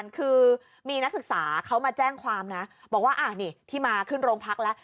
คือมีนักศึกษาเขามาแจ้งความนะบอกว่านี่ที่มาขึ้นโรงพักแล้ว